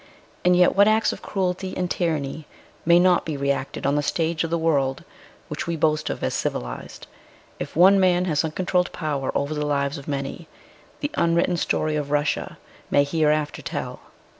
And yet what acts of cruelty and tyranny may not be reacted on the stage of the world which we boast of as civilised, if one man has uncontrolled power over the lives of many, the unwritten story of Russia may hereafter tell."